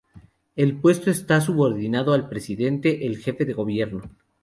El puesto está subordinado al presidente, el jefe de Gobierno.